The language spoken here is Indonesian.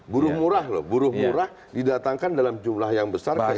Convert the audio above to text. buruh murah loh buruh murah didatangkan dalam jumlah yang besar kecil